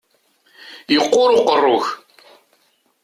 Yeqqur uqerru-k.